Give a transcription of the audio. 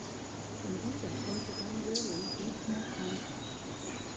In dieser konnte dann Williams nicht mehr kontern.